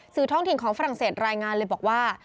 สื่อท่องถึงของฝรั่งเศสรายงานเลยบอกว่า